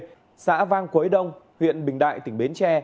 đã ra quyết định truy nã vang cuối đông huyện bình đại tỉnh bến tre